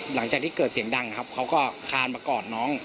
หลังจากที่เกิดเสียงดังครับเขาก็คานมากอดน้อง